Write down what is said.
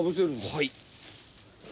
はい。